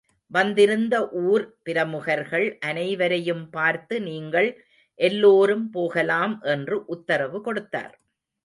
வந்திருந்த ஊர் பிரமுகர்கள் அனைவரையும் பார்த்து நீங்கள் எல்லோரும் போகலாம் என்று உத்தரவு கொடுத்தார்.